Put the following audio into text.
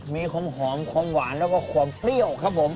มีความหอมความหวานแล้วก็ความเปรี้ยวครับผม